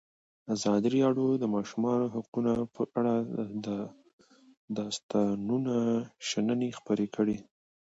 ازادي راډیو د د ماشومانو حقونه په اړه د استادانو شننې خپرې کړي.